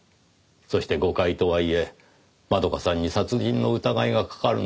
そして誤解とはいえ窓夏さんに殺人の疑いがかかるのを案じ